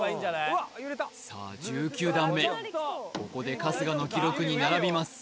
１９段目ここで春日の記録に並びます